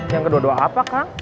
yang kedua dua apa kang